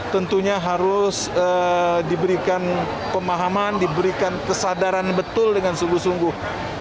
tentunya harus diberikan pemahaman diberikan kesadaran betul dengan sungguh sungguh